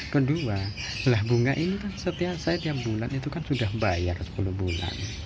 kedua lah bunga ini kan setiap bulan itu kan sudah bayar sepuluh bulan